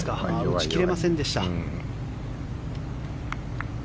打ち切れませんでした。